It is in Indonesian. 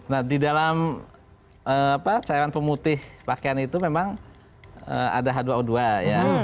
nah di dalam cairan pemutih pakaian itu memang ada h dua o dua ya